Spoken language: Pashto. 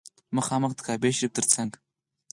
مخامخ د کعبې شریفې تر څنګ.